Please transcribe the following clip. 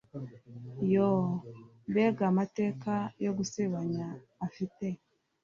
yoo mbega amateka yo gusebanya afite